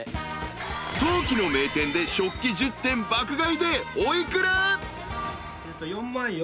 ［陶器の名店で食器１０点爆買いでお幾ら？］